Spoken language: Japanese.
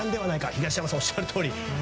東山さんのおっしゃるとおり。